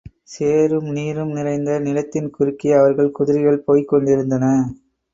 சேறும், நீரும் நிறைந்த நிலத்தின் குறுக்கே, அவர்கள் குதிரைகள் போய்க் கொண்டிருந்தன.